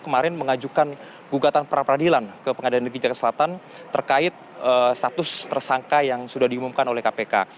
kemarin mengajukan gugatan pra peradilan ke pengadilan negeri jakarta selatan terkait status tersangka yang sudah diumumkan oleh kpk